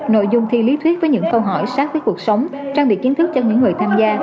nội dung thi lý thuyết với những câu hỏi sát với cuộc sống trang bị kiến thức cho những người tham gia